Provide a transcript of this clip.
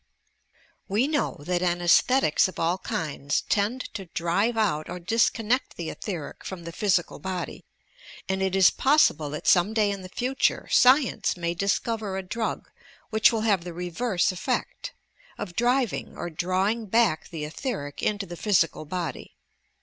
We know that anirathetica of all kinds tend to drive out or disconnect the etheric from the physical body, and it is possible that somfi day in the future, science may discover a drug which will have the reverse effect, of driving or drawing back the etheric into the physical body.